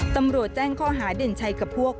ตำรวจแจ้งข้อหาเด่นชัยกับพวก